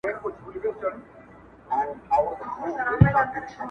ډالۍ د ښکلي یار دې وي یوه خوږه خبره